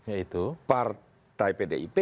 yaitu partai pdip